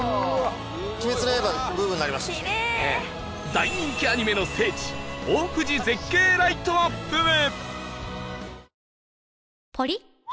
大人気アニメの聖地大藤絶景ライトアップへ